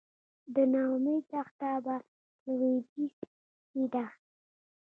د نا امید دښته په لویدیځ کې ده